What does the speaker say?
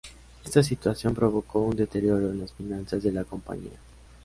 Esta situación provocó un deterioro en las finanzas de la compañía.